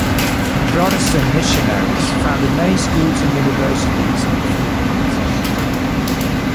Protestant missionaries founded many schools and universities in the Philippines.